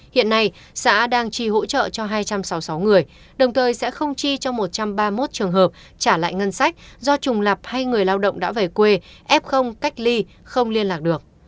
hiện nay xã đang trì hỗ trợ cho hai trăm sáu mươi sáu người đồng thời sẽ không chi cho một trăm ba mươi một trường hợp trả lại ngân sách do trùng lập hay người lao động đã về quê ép cách ly không liên lạc được